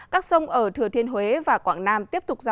các sông ở thừa thiên huế và quảng nam tiếp tục ra